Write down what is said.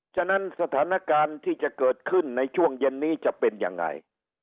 ฉะนั้นสถานการณ์ที่จะเกิดขึ้นในช่วงเย็นนี้จะเป็นยังไง